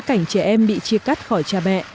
cảnh trẻ em bị chia cắt khỏi cha mẹ